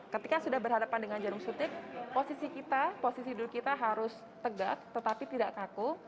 ketika sudah berhadapan dengan jarum suntik posisi hidung kita harus tegak tetapi tidak kaku